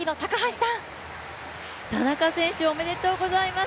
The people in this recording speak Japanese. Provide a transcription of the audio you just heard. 田中選手、おめでとうございます！